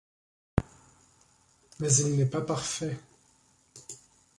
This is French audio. Mais il n’est pas parfait.